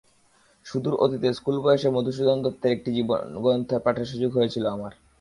সুদূর অতীতে, স্কুলবয়সে মধুসূদন দত্তের আরেকটি জীবনীগ্রন্থ পাঠের সুযোগ হয়েছিল আমার।